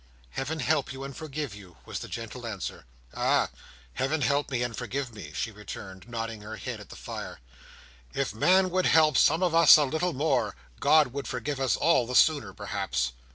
"Heaven help you and forgive you!" was the gentle answer. "Ah! Heaven help me and forgive me!" she returned, nodding her head at the fire. "If man would help some of us a little more, God would forgive us all the sooner perhaps."